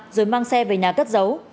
rồi mang xe về nhà cất giấu